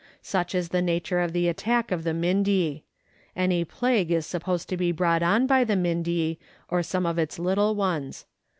Such is the nature of the attack of the Mindye. Any plague is supposed to be brought on by the Mindye or some of its little ones.